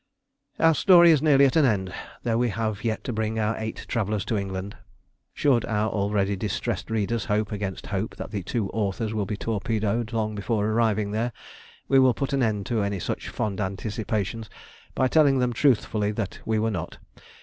Our story is nearly at an end, though we have yet to bring our eight travellers to England. Should our already distressed readers hope against hope that the two authors will be torpedoed long before arriving there, we will put an end to any such fond anticipations by telling them truthfully that we were not.